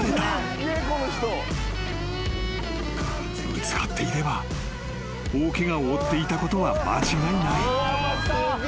［ぶつかっていれば大ケガを負っていたことは間違いない］